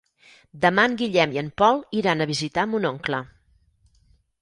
Demà en Guillem i en Pol iran a visitar mon oncle.